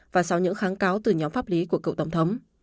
và sau những kháng cáo từ nhóm pháp lý của cựu tổng thống